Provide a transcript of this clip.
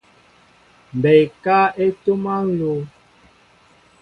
Mɓɛɛ ekáá e ntoma nló.